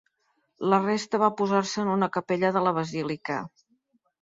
La resta va posar-se en una capella de la basílica.